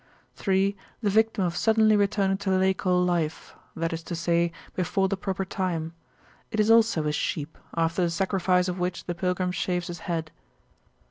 3. The Victim of suddenly returning to Laical Life; that is to say, before the proper time. It is also a sheep, after the sacrifice of which the pilgrim shaves his head.